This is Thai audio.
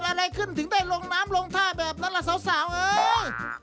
อะไรขึ้นถึงได้ลงน้ำลงท่าแบบนั้นล่ะสาวเอ้ย